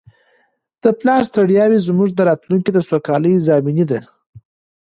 د پلار ستړیاوې زموږ د راتلونکي د سوکالۍ ضامنې دي.